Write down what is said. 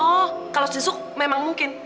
oh kalau susuk memang mungkin